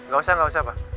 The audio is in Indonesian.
gak usah gak usah pak